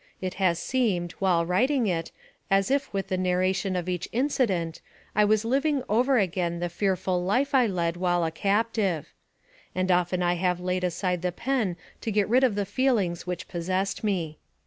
It has seemed, while writing it, as if with the narration of each inci dent, I was living over again the fearful life I led while a captive; and often have I laid aside the pen to get rid of the feelings which possessed me.